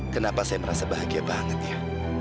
kenapa saya merasa bahagia banget ya